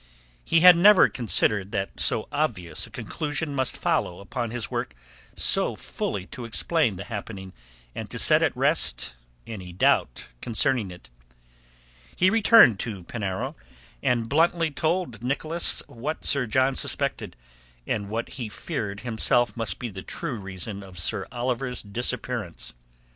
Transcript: He had never considered that so obvious a conclusion must follow upon his work so fully to explain the happening and to set at rest any doubt concerning it. He returned to Penarrow, and bluntly told Nicholas what Sir John suspected and what he feared himself must be the true reason of Sir Oliver's disappearance.